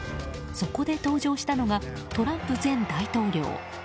そこで登場したのがトランプ前大統領。